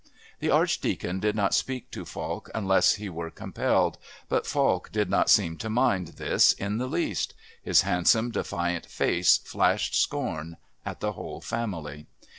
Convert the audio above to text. The Archdeacon did not speak to Falk unless he were compelled, but Falk did not seem to mind this in the least. His handsome defiant face flashed scorn at the whole family.